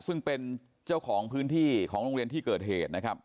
ซึ่งเป็นเจ้าของพื้นที่ของโรงเรียนที่เกิดเหตุนะครับ